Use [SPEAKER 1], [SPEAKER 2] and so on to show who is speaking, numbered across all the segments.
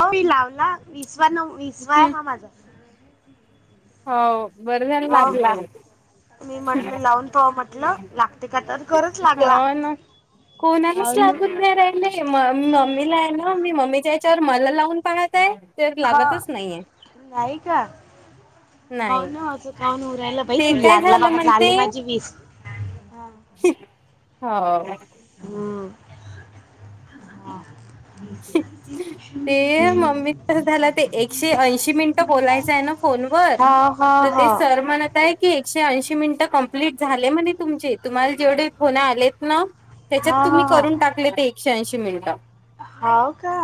[SPEAKER 1] हो लावला विसवा न विसवा
[SPEAKER 2] हं
[SPEAKER 1] हा माझा
[SPEAKER 2] हो बरं झालं
[SPEAKER 1] हो
[SPEAKER 2] लागला
[SPEAKER 1] मी म्हटल लावून पहाव म्हटलं लागते का तर खरंच लागला
[SPEAKER 2] हो ना कोणालाच
[SPEAKER 1] हो ना
[SPEAKER 2] लागत नाही राहि नाही म मम्मीला आहे ना मी मम्मीच्या हेच्यावर मला लावून पाहत आहे तर
[SPEAKER 1] हा
[SPEAKER 2] लागतच नाहीये
[SPEAKER 1] नाही का हो
[SPEAKER 2] नाही
[SPEAKER 1] ना अस का होऊन राहील बाई
[SPEAKER 2] ते
[SPEAKER 1] तू
[SPEAKER 2] काय
[SPEAKER 1] लागला
[SPEAKER 2] झालं
[SPEAKER 1] मका
[SPEAKER 2] म्हणते
[SPEAKER 1] झाले माझी वीस हा.
[SPEAKER 2] [inaudible]
[SPEAKER 1] हो
[SPEAKER 2] ते मम्मी
[SPEAKER 1] हा
[SPEAKER 2] कसं झालं ते
[SPEAKER 1] [inaudible]
[SPEAKER 2] फोन वर तर ते सर म्ह ताई ते एकशे ऐशी मिनिटं कंप्लीट झाले म्हणे तुमचे तुम्हाला जेवढे फोनं आलेत ना त्याच्यात
[SPEAKER 1] हो
[SPEAKER 2] तुम्ही
[SPEAKER 1] हो हो
[SPEAKER 2] करून टाकले ते एकशे ऐंशी मिनिटं
[SPEAKER 1] हो का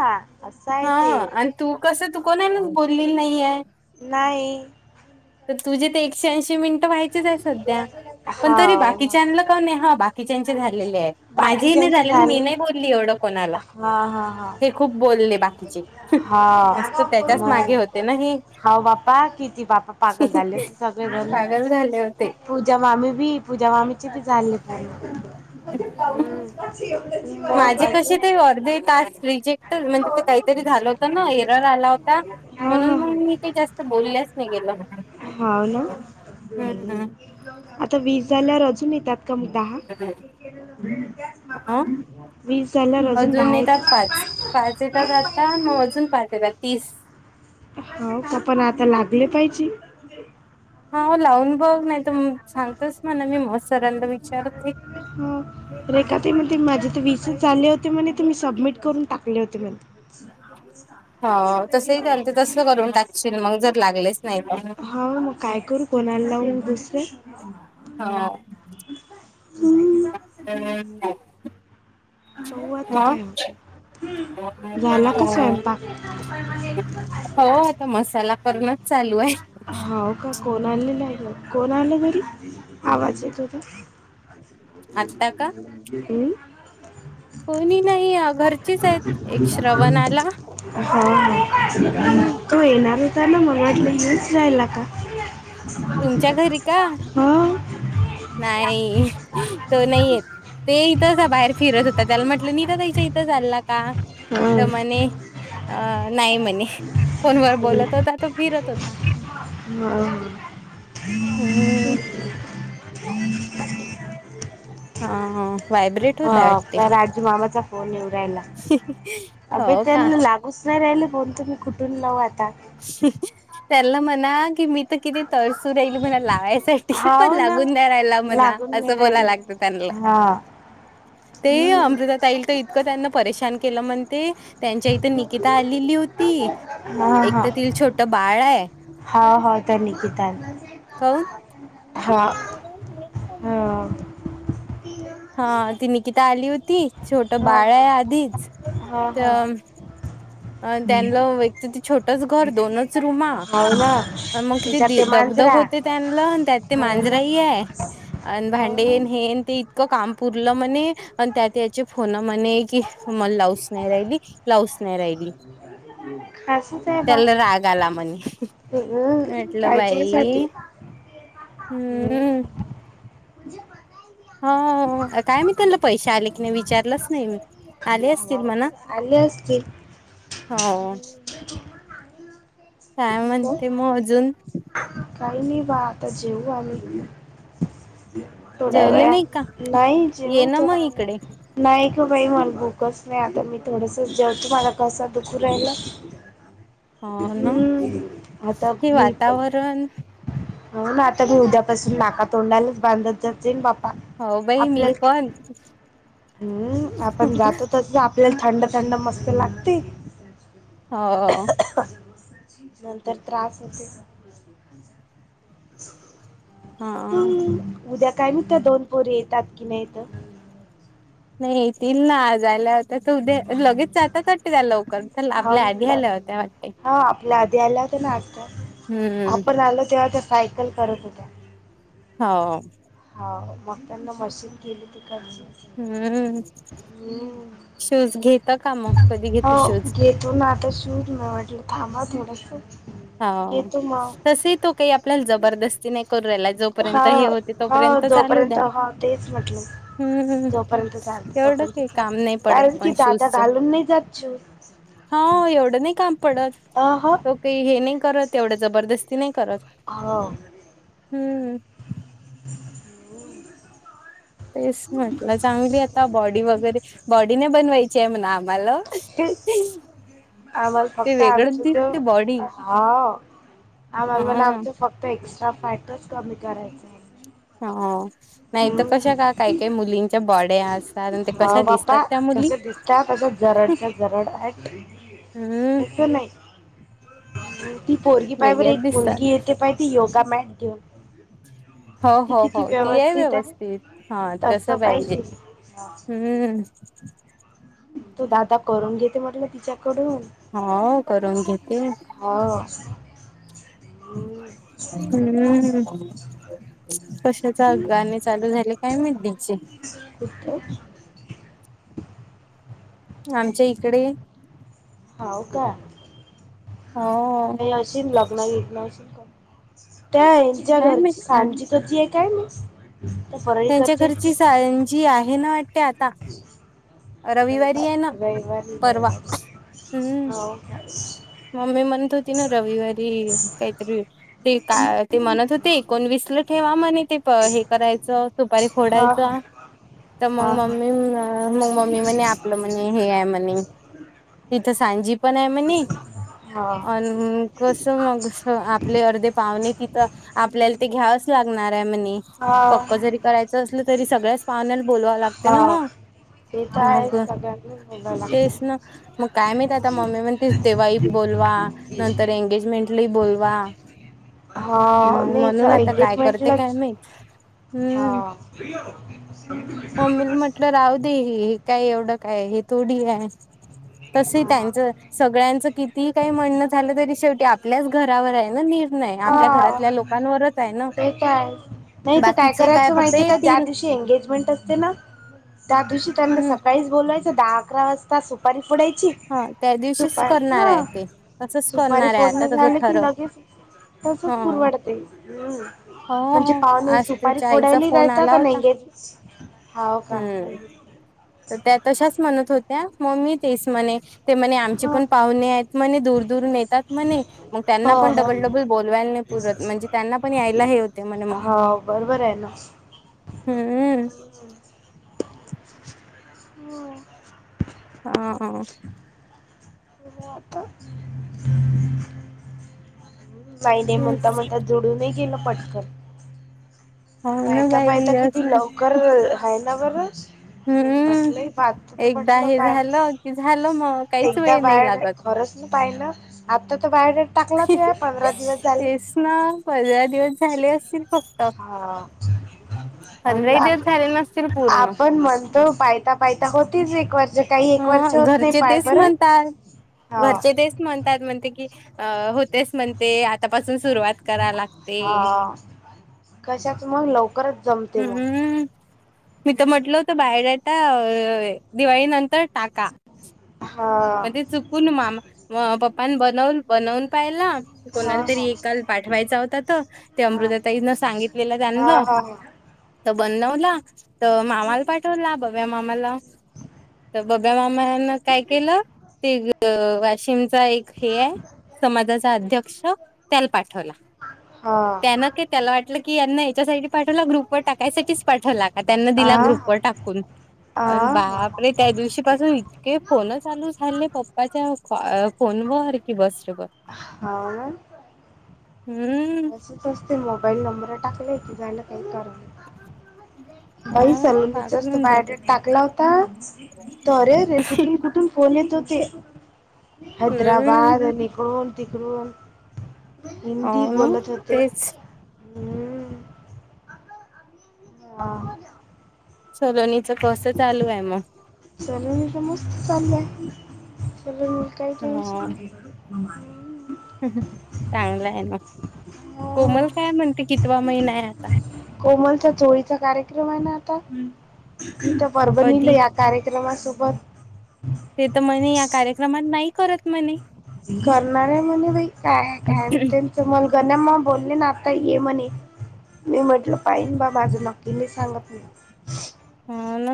[SPEAKER 1] असं आहे
[SPEAKER 2] हा
[SPEAKER 1] ते
[SPEAKER 2] आणि तू कसं तू कोणालाच बोलेली नाही आहे
[SPEAKER 1] नाही
[SPEAKER 2] तर तुझे ते एकशे ऐशी मिनटं व्हायचीच आहेत सध्या पण तरी
[SPEAKER 1] हो
[SPEAKER 2] बाकीच्यान्ला नाही हा बाकीच्यांचे झालेली आहे माझे ही नाही झाले मी नाही बोलली एवढं कोणाला
[SPEAKER 1] हा हा हा
[SPEAKER 2] हे खूप बोलले बाकीचे नुसतं त्याच्याच मागे होते ना हे
[SPEAKER 1] हो बाप्पा किती बापा पागल झालेत ते सगळेजणं
[SPEAKER 2] पागल झाले होते
[SPEAKER 1] पूजा मामी बी पूजा मामीची किती झालेत जी
[SPEAKER 2] माझे कसे ते
[SPEAKER 1] [inaudible]
[SPEAKER 2] अर्धे तास फ्री चे म्हणजे ते काहीतरी झालं होत ना एरर आला होता
[SPEAKER 1] हा हा
[SPEAKER 2] म्हणून मग
[SPEAKER 1] हा
[SPEAKER 2] मी ते जास्त बोलल्याच नाही गेलं
[SPEAKER 1] हो ना
[SPEAKER 2] हम्म
[SPEAKER 1] आता वीस झाल्यावर अजून येतात का मग दहा
[SPEAKER 2] अ
[SPEAKER 1] वीस झाल्यावर अजून दहा
[SPEAKER 2] येतात
[SPEAKER 1] येता
[SPEAKER 2] पाच पाच येतात, आता मग अजून पाच येतात तीस
[SPEAKER 1] हो, पण आता लागले पाहिजे.
[SPEAKER 2] हा लावून बघ नाही. तर सांग तस मला मी मग सरांना विचारते.
[SPEAKER 1] हम्म. रेखा ताई म्हणते माझे तर वीसंच झाले होते म्हणे ते मी सबमिट करून टाकले होते म्हणते ह [inaudible]
[SPEAKER 2] हो तसही चालत, तस करून टाकशील मग जर लागलेच नाही तर.
[SPEAKER 1] हो मग काय करू कोणाला लावू दुसरं.
[SPEAKER 2] हाम्
[SPEAKER 1] हम्म
[SPEAKER 2] [inaudible]
[SPEAKER 1] बऊ आ ते काय होते. झाला का स्वयंपा?
[SPEAKER 2] तर मसाला करूनच चालू आहे.
[SPEAKER 1] हो का कोण आलेला आहे. कोण आलं घरी आवाज येतो होता.
[SPEAKER 2] आता का
[SPEAKER 1] तुम्ही.
[SPEAKER 2] कोणी नाही घर
[SPEAKER 1] हा
[SPEAKER 2] हम्म
[SPEAKER 1] ह. तो येणार होता ना मला वाटलं मीच जायला लागणार.
[SPEAKER 2] तुमच्या घरी का
[SPEAKER 1] हम
[SPEAKER 2] नाही, तो नाही येत. ते इथं बाहेर फिरत होता. त्याला म्हटलं नी तर त्याच्या इथं चालला का
[SPEAKER 1] हा
[SPEAKER 2] तर म्हणे, नाही म्हणे. फोन व बोलत होता, तो फिरत होता.
[SPEAKER 1] हम.
[SPEAKER 2] हम्म. हा वयब्रेट
[SPEAKER 1] ह राजूमामाचा फोन येव रायला अभ
[SPEAKER 2] हो का?
[SPEAKER 1] त्यांना लाग. उसमा राहिला फोन तुम्ही खुठून लावू आता.
[SPEAKER 2] त्याला म्हणा की मी किती तळसू राहील म्हणा लावायसाठी पण
[SPEAKER 1] हाव ना
[SPEAKER 2] लागून द्या राहिला म्हणा
[SPEAKER 1] लागून नाही
[SPEAKER 2] असं बोलाय
[SPEAKER 1] राहिले
[SPEAKER 2] लागतं त्यांला
[SPEAKER 1] हा,
[SPEAKER 2] ते
[SPEAKER 1] हम्म.
[SPEAKER 2] अमृता ताई ताई. क त्यांना परेशान केलं म्हणते, त्यांच्या इथं निकिता आलेली होती.
[SPEAKER 1] हा
[SPEAKER 2] एक
[SPEAKER 1] हा,
[SPEAKER 2] तर तिला छोट बाळ आहे
[SPEAKER 1] हा हा निकीता आली.
[SPEAKER 2] काऊन
[SPEAKER 1] हा हा.
[SPEAKER 2] हा ती निकिता आली होती. छोट
[SPEAKER 1] हा
[SPEAKER 2] बाळ आहे,
[SPEAKER 1] हा
[SPEAKER 2] आधीच
[SPEAKER 1] हा हा
[SPEAKER 2] तर अ त्यांला एकत ते छोटच घर दोनच रुमा
[SPEAKER 1] हाव ना
[SPEAKER 2] मग
[SPEAKER 1] त्याच्यात
[SPEAKER 2] किती
[SPEAKER 1] ते मांजरा
[SPEAKER 2] दगधग होत. ते त्यांलं त्यात ते
[SPEAKER 1] हाव ना
[SPEAKER 2] मांजराही आहे आणि
[SPEAKER 1] हाव
[SPEAKER 2] भांडेन
[SPEAKER 1] ना
[SPEAKER 2] हेन ते. काम पुरलं म्हणे आणि त्यात याचे फोन म्हणे कि. मला लावच नाही राहिली, लावच नाही राहिली.
[SPEAKER 1] खासच आहे बा
[SPEAKER 2] त्याला राग आला म्हणे,
[SPEAKER 1] हम्म,
[SPEAKER 2] म्हटलं
[SPEAKER 1] काळजीसाठी
[SPEAKER 2] बाई हम्म.
[SPEAKER 1] जे,
[SPEAKER 2] हो काय मी त्यांना पैसे आले. विचारलंच नाही आले असतील
[SPEAKER 1] हाव
[SPEAKER 2] मणा,
[SPEAKER 1] का? आले असतील
[SPEAKER 2] हो काय म्हणते मग अजून
[SPEAKER 1] काही नाही बा आता जेऊ राहिले. थोड्या
[SPEAKER 2] जेवले
[SPEAKER 1] वेळा,
[SPEAKER 2] नाही का?
[SPEAKER 1] नाही
[SPEAKER 2] ये
[SPEAKER 1] जेऊ
[SPEAKER 2] ना
[SPEAKER 1] थोडा.
[SPEAKER 2] मग इकडे
[SPEAKER 1] नाही का बाई म्हण बूकच नाही आता मी थोडस जवतु मला कसा दुख राहिला.
[SPEAKER 2] हो ना
[SPEAKER 1] हम्म आता
[SPEAKER 2] हे
[SPEAKER 1] मी प.
[SPEAKER 2] वातावरण
[SPEAKER 1] हो ना आता मी उद्यापासून नाका तोडालाच बांधत जाते बाप्
[SPEAKER 2] हो बाई मी पण
[SPEAKER 1] हम्म आपण जातो तरच आपल्याला थंड थंड मस्त लागते
[SPEAKER 2] हो
[SPEAKER 1] नंतर त्रास होते चून खचा
[SPEAKER 2] हा
[SPEAKER 1] उद्या काय नत दोन पोरी येतात कि नाहीत
[SPEAKER 2] नाही त नाजला त्या तर उद्या लगेच जाताात वाटते त्या लवकर च
[SPEAKER 1] हाव
[SPEAKER 2] आपल्या आध
[SPEAKER 1] ना
[SPEAKER 2] आल्या होत्या वाटते
[SPEAKER 1] हा आपल्या आध आला तर नात
[SPEAKER 2] हम्म
[SPEAKER 1] आपण आल तेव्हा त्या सायकल करत होत्या
[SPEAKER 2] हो
[SPEAKER 1] होा मग त्यांना मशीन केली ती ख
[SPEAKER 2] हम्म
[SPEAKER 1] ह
[SPEAKER 2] शूज घेेत का मग कधी घेत शूज
[SPEAKER 1] एकेत नातस चूज म वटर थांबाला शो
[SPEAKER 2] हा तस तो काही आपल्याला जबरदस्ती नाही करू राहिला जो तपर्यंत
[SPEAKER 1] हा
[SPEAKER 2] हे होते
[SPEAKER 1] हा
[SPEAKER 2] तोपर्यंत चालू द्या
[SPEAKER 1] जोपर्यंत हा तेच म्हटलं
[SPEAKER 2] हम्म हम्
[SPEAKER 1] जोपर्यंत चालतं
[SPEAKER 2] एवढं
[SPEAKER 1] तोपर्यंत
[SPEAKER 2] का काम नाही
[SPEAKER 1] चालतं
[SPEAKER 2] पडत
[SPEAKER 1] कारण की
[SPEAKER 2] पण
[SPEAKER 1] दादा
[SPEAKER 2] शूजच
[SPEAKER 1] घालून नाही जात शूज
[SPEAKER 2] हा एवढं नाही काम पडत
[SPEAKER 1] अह
[SPEAKER 2] त काही हे नाही करत एवढ्या जबरदस्ती नाही करत
[SPEAKER 1] ह
[SPEAKER 2] हम्म
[SPEAKER 1] हो
[SPEAKER 2] तेच म्हटलं चांगली आता बॉडी वगैरे बॉडी नाही बनवायची आहे म्हणा आम्हाला
[SPEAKER 1] ते
[SPEAKER 2] [inaudible]
[SPEAKER 1] आम्हाला
[SPEAKER 2] ते
[SPEAKER 1] फक्त आमच
[SPEAKER 2] वेगळंच
[SPEAKER 1] ज
[SPEAKER 2] दिसते बॉडी
[SPEAKER 1] हो आम्हाला
[SPEAKER 2] हा
[SPEAKER 1] मण आमच फक्त एक्स्ट्रा फॅटच कमी करायचं आहे
[SPEAKER 2] हो नाही तर कशा का
[SPEAKER 1] हम्म
[SPEAKER 2] काय काय मुलींच्या बॉडे्या आस
[SPEAKER 1] ह बापा कसे दिसतात तस जरडच्या जरड आहे
[SPEAKER 2] हम्म
[SPEAKER 1] असेत नाही ती पोरगी पाहि बर
[SPEAKER 2] वेगळ्याच
[SPEAKER 1] एक
[SPEAKER 2] दिसतात.
[SPEAKER 1] मुलगी येते पाहि ती योगा मॅट देऊ
[SPEAKER 2] हो हो हो ती आहे व्यवस्थित हा
[SPEAKER 1] आहे
[SPEAKER 2] तस
[SPEAKER 1] तसं
[SPEAKER 2] पाहिजे हम्म
[SPEAKER 1] तू दादा करून घेते म्हट ना तिच्याकडून
[SPEAKER 2] हो करून घेते
[SPEAKER 1] हो
[SPEAKER 2] हम्म ह कशाचा अगाणी चालू झाले काय मचे
[SPEAKER 1] कुठ
[SPEAKER 2] आमच्या इकडे
[SPEAKER 1] हाव का
[SPEAKER 2] हो
[SPEAKER 1] काही अशी लग्न घेतण अ कर त्याच्या
[SPEAKER 2] काय
[SPEAKER 1] घरची
[SPEAKER 2] माहित काय
[SPEAKER 1] सांज तची आहे काय मी तर परळी करची
[SPEAKER 2] जी आहे ना वाटते आता
[SPEAKER 1] र
[SPEAKER 2] रविवारी आहे ना
[SPEAKER 1] रहिवाारी
[SPEAKER 2] परवा
[SPEAKER 1] रहिवाारी हो
[SPEAKER 2] मग मी म्हणत होती ना रविवारी काहीतरी ते का ते म्हणत होते एकोणवीस ला ठेवा म्ह ते हे करायचं सुपारी
[SPEAKER 1] हा
[SPEAKER 2] फोडायचा
[SPEAKER 1] हा
[SPEAKER 2] तर मग
[SPEAKER 1] हा
[SPEAKER 2] मम्मी मग मम्मी म्हणे आपलं म्हणे हे आहे म्हणे तिथं सांजी पण आहे म्हणे
[SPEAKER 1] हा
[SPEAKER 2] अण हम्म कस मग आपले अर्धे पाहुणे तिथं आपल्याला ते घ्यावंच लागणार आहे म्हणे
[SPEAKER 1] हा हा
[SPEAKER 2] पक्क जरी करायचं असलं तरी सगळ्याच पाहण्याला बोलवावं लागते ना
[SPEAKER 1] हा
[SPEAKER 2] म
[SPEAKER 1] ते तर आहे
[SPEAKER 2] मग
[SPEAKER 1] सगळ्यांनाच बोलावं
[SPEAKER 2] तेच
[SPEAKER 1] लागतं
[SPEAKER 2] ना मग काय माहित आता मम्मी म्हणते तेव्हाही बोलवा नंतर एंगेजमेंटले हो बोलवा.
[SPEAKER 1] हा
[SPEAKER 2] मग
[SPEAKER 1] नाही
[SPEAKER 2] म्हणून
[SPEAKER 1] सॉरी
[SPEAKER 2] आता काय करते काय
[SPEAKER 1] एंगेजमेंटलाच
[SPEAKER 2] माहित
[SPEAKER 1] हा.
[SPEAKER 2] हम्म ते हे काय एवढं काय हे थोडी हाय
[SPEAKER 1] [unintelligible]
[SPEAKER 2] तसय त्यांचं सगळ्यांचं कितीही काही म्हणणं झालं तरी शेवटी आपल्याच घरावर हाय ना नि
[SPEAKER 1] हा ते तर आहे. नाही तर काय
[SPEAKER 2] बाकीचे
[SPEAKER 1] करायचं
[SPEAKER 2] फक्त
[SPEAKER 1] माहिती का ज्या
[SPEAKER 2] येतील
[SPEAKER 1] दिवशी एंगेजमेंट असते ना त्या दिवशी त्यांना
[SPEAKER 2] हम्म
[SPEAKER 1] सकाळीच बोलावायच दहा अकरा वाजता सुपारी फोडायची
[SPEAKER 2] ह त्या दिवशीच
[SPEAKER 1] सुपारी
[SPEAKER 2] करणार
[SPEAKER 1] हा
[SPEAKER 2] आहे ते तसच
[SPEAKER 1] सुपारी
[SPEAKER 2] करणार आहे
[SPEAKER 1] फोडण
[SPEAKER 2] आता तसं
[SPEAKER 1] झालं की
[SPEAKER 2] ठरव
[SPEAKER 1] लगेच तसच
[SPEAKER 2] ह
[SPEAKER 1] पुरवडते हम्म. म्हणजे
[SPEAKER 2] हो
[SPEAKER 1] पाव्हणे
[SPEAKER 2] आज
[SPEAKER 1] सुपारी
[SPEAKER 2] त्याच्या आईचा
[SPEAKER 1] फोडायला
[SPEAKER 2] फोन
[SPEAKER 1] निघायचा
[SPEAKER 2] आला
[SPEAKER 1] का नाही
[SPEAKER 2] होता
[SPEAKER 1] एंगेज हव का.
[SPEAKER 2] हम्म तर त्या तशाच म्हणत होत्या म्ममी तेच म्हणे ते म्हणे आमचे
[SPEAKER 1] हो
[SPEAKER 2] पण पाहुणे आहेत म्हणे दूर दूरून येतात म्हणे मग त्यांना
[SPEAKER 1] हो
[SPEAKER 2] पण
[SPEAKER 1] हो
[SPEAKER 2] डबल डबल बोलवायला नाही पुरत म्हणजे त्यांना पण यायला हे होते म्हणे म.
[SPEAKER 1] हो बरोबर आहे ना.
[SPEAKER 2] हम्म.
[SPEAKER 1] हम्म.
[SPEAKER 2] [unintelligible]
[SPEAKER 1] [unintelligible] नाही नाही म्हणता म्हणता जुडूनही गेलं पटकन.
[SPEAKER 2] हो ना
[SPEAKER 1] पाहयता पाहयता
[SPEAKER 2] बाई अस
[SPEAKER 1] किती लवकर्र हाय ना बर.
[SPEAKER 2] हम्म
[SPEAKER 1] म्हटलंय पाहता तर
[SPEAKER 2] एकदा
[SPEAKER 1] म्हटलं
[SPEAKER 2] हे
[SPEAKER 1] काय
[SPEAKER 2] झालं की झालं मग काहीच
[SPEAKER 1] एकदा
[SPEAKER 2] वेळ नाही लागत
[SPEAKER 1] बायोडाटा खरंच ना पाहि ना आता तर बायडेट टाकलाच आहे पंधरा दिवस झाले
[SPEAKER 2] तेच ना पंधरा दिवस झाले असतील. फक्त
[SPEAKER 1] हा.
[SPEAKER 2] पंधराही दिवस झाले नसतील पूर्ण
[SPEAKER 1] आपण म्हणतो पायता पायता होतील एक वर्ष काही एक वर्ष
[SPEAKER 2] ह
[SPEAKER 1] होत नाही
[SPEAKER 2] घरचे
[SPEAKER 1] पाय
[SPEAKER 2] तेच
[SPEAKER 1] बरं.
[SPEAKER 2] म्हणतात
[SPEAKER 1] हा
[SPEAKER 2] घरचे तेच म्हणतात म्हणते की अं होतेच म्हण ते आतापासून सुरुवात करा लागते.
[SPEAKER 1] हा कशाच मग लवकरच जमते मग.
[SPEAKER 2] हम्म मी तर म्हटलं होतं बायडेटा अं दिवाळी नंतर टाका.
[SPEAKER 1] हा.
[SPEAKER 2] पण ते चुकून मामा म पप्पाने बनवून बनवून पाहिला
[SPEAKER 1] हा
[SPEAKER 2] कोणाला तरी एकाल पाठवायचा होता त ते
[SPEAKER 1] हा.
[SPEAKER 2] अमृतताईन सांगितलेलं
[SPEAKER 1] हा
[SPEAKER 2] जानलं
[SPEAKER 1] हा
[SPEAKER 2] तर बनवला तर मामाला पाठवला बव्या मामाला तर बब्या मामान काय केलं अ वाशिमचा एक हे आहे समाजाचा अध्यक्ष त्याला पाठवला
[SPEAKER 1] हा हा
[SPEAKER 2] त्यान ते त्याला वाटलं की यांना याच्यासाठी पाठवलं ग्रुप व टाकायसाठीच पाठवला का त्यांना
[SPEAKER 1] हा
[SPEAKER 2] दिला
[SPEAKER 1] आ
[SPEAKER 2] ग्रुप
[SPEAKER 1] हा
[SPEAKER 2] वर टाकून अनं
[SPEAKER 1] आ हा.
[SPEAKER 2] बाप अरे त्या दिवशी पासून इतके फोन चालू हले पप्पाच्या फॉ अ फोन वर कि बस रे बस
[SPEAKER 1] हवं ना.
[SPEAKER 2] हम्म.
[SPEAKER 1] तसंच असते मोबाईल नंबर टाकले की झालं काय करण बाई
[SPEAKER 2] ह पागल
[SPEAKER 1] सलोणीचाच त
[SPEAKER 2] होऊन
[SPEAKER 1] बायोडाट
[SPEAKER 2] जातात
[SPEAKER 1] टाकला हो आता तरे रे कुठून कुठून फोन येत होते.
[SPEAKER 2] हम्म
[SPEAKER 1] हैदराबाद अनं इकडून तिकडून हिंदी
[SPEAKER 2] हो
[SPEAKER 1] बोलत होते
[SPEAKER 2] तेच
[SPEAKER 1] हम्म हा
[SPEAKER 2] सलोनीच कस चालू आहे म
[SPEAKER 1] सलोनीच मस्त चाललय सलोनीला काय टेन्शन नाय. हूं
[SPEAKER 2] चांगला आहे ना कोमल काय म्हणते कितवा महिना आहे आता?
[SPEAKER 1] कोमलचा चोळीचा कार्यक्रम आहे ना आता तिथ परभणीला
[SPEAKER 2] कधी
[SPEAKER 1] या कार्यक्रमासोबत
[SPEAKER 2] ते तर म्हणे या कार्यक्रमात नाही करत म्हणे.
[SPEAKER 1] करणार आहेत म्हणे बाई काय ये काय [unintelligible] ते मंग गण्या मं बोलले ना आता ये म्हणे. मी म्हटलं पाहिन बाबा अजून नक्की नाही सांगत मी.
[SPEAKER 2] हो ना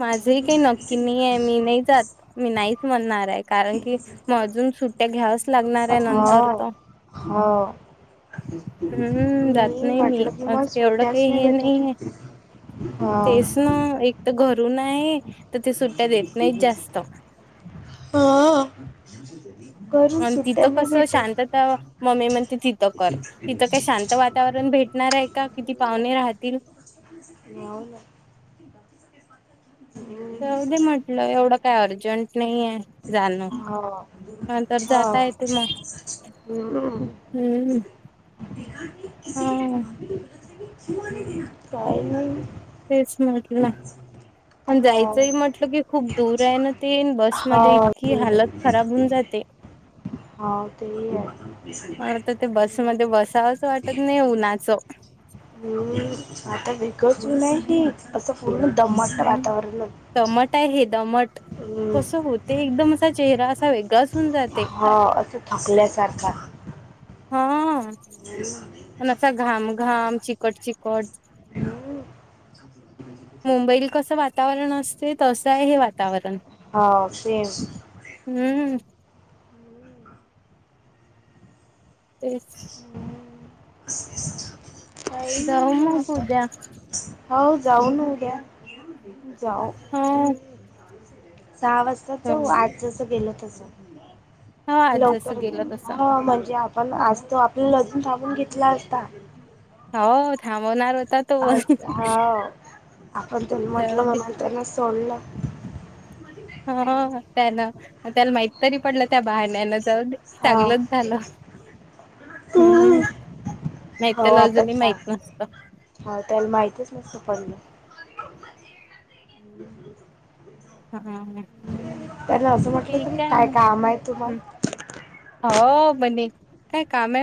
[SPEAKER 2] माझ ही काही नक्की नाहीये मी नाही जात मी नाहीच म्हणणार आहे. कारण कि मग अजून सुट्ट्या घ्यावच लागणार आहे नंतर
[SPEAKER 1] हो
[SPEAKER 2] त.
[SPEAKER 1] हो
[SPEAKER 2] हम्म जात
[SPEAKER 1] मी
[SPEAKER 2] नाही मी
[SPEAKER 1] म्हटलं की मला
[SPEAKER 2] आज एवढं
[SPEAKER 1] सुट्ट्याच
[SPEAKER 2] काही
[SPEAKER 1] नाही
[SPEAKER 2] हे
[SPEAKER 1] भेटत
[SPEAKER 2] नाहीये.
[SPEAKER 1] आहे. हो
[SPEAKER 2] तेच ना एक तर घरून आहे त ते सुट्ट्या देत नाहीत जास्त.
[SPEAKER 1] हो. करून
[SPEAKER 2] आणि
[SPEAKER 1] सुट्ट्या
[SPEAKER 2] तिथं
[SPEAKER 1] नाही
[SPEAKER 2] कसं
[SPEAKER 1] भेटत.
[SPEAKER 2] शांतता मम्मी म्हणते तिथं कर. तिथं काय शांत वातावरण भेटणार आहे का किती पाहुणे राहतील.
[SPEAKER 1] मावला
[SPEAKER 2] जाऊ दे म्हटलं एवढं काय अर्जंट नाहीेये.
[SPEAKER 1] हो हो
[SPEAKER 2] जाता येते मग हम्म हा
[SPEAKER 1] काय नाय
[SPEAKER 2] तेच म्हटला पण
[SPEAKER 1] हो
[SPEAKER 2] जायचंही म्हटलं की खूप दूर आहे ना तेनं.
[SPEAKER 1] हो
[SPEAKER 2] बसमध्ये इतकी हालत खराब होऊन जाते.
[SPEAKER 1] हो ते आहे.
[SPEAKER 2] मला तर ते बसमध्ये
[SPEAKER 1] हम्म.
[SPEAKER 2] बसावंच वाट तचं नाही उन्हाचं.
[SPEAKER 1] हूं आता वेगळचं ऊन हाय की असं पूर्ण दमटत
[SPEAKER 2] हम्म
[SPEAKER 1] वातावरण.
[SPEAKER 2] दमट आहे हे दमट
[SPEAKER 1] हम्म,
[SPEAKER 2] कसं होते एकदम असा चेहरा असा वेगळाच होऊन जाते.
[SPEAKER 1] हा असं थकल्यासारखा
[SPEAKER 2] हा
[SPEAKER 1] [unintelligible]
[SPEAKER 2] पण असा घाम घाम चिकट चिकट
[SPEAKER 1] हम्म,
[SPEAKER 2] मुंबईला कसं वात वातावरण असते तसं आहे हे वातावरण.
[SPEAKER 1] हा सेम.
[SPEAKER 2] हम्म. तेचं
[SPEAKER 1] काही
[SPEAKER 2] जाऊ
[SPEAKER 1] नाय म
[SPEAKER 2] मग
[SPEAKER 1] आता
[SPEAKER 2] उद्या
[SPEAKER 1] हो जाऊ ना उद्या जाऊ
[SPEAKER 2] हो
[SPEAKER 1] हं सहा वाजताच
[SPEAKER 2] हो
[SPEAKER 1] जाऊ आज जस गेलं तसं
[SPEAKER 2] आज जसं
[SPEAKER 1] लवकर
[SPEAKER 2] गेलं
[SPEAKER 1] जाऊ
[SPEAKER 2] तसं
[SPEAKER 1] हा म्हणजे आपण आज त आपल्याला अजून थांबून घेतला असता.
[SPEAKER 2] हो थांबवणार होतात
[SPEAKER 1] हा आपण त्यानां म्हटलं
[SPEAKER 2] जाऊ दे
[SPEAKER 1] म्हणून त्यांनी सोडलं.
[SPEAKER 2] हा त्यानं मं त्याला माहित तरी पटलं त्या बहण्यानं जाऊदे
[SPEAKER 1] हा
[SPEAKER 2] चांगलंच झालं. हम् हम् नाही त्याला अजून माहित नसत.
[SPEAKER 1] हा त्याला माहितीच नसत पडलं.
[SPEAKER 2] हा ह ह.
[SPEAKER 1] त्याने असं म्हटलं त काय काम आहे तुम्हा?
[SPEAKER 2] हो बनी काय काम.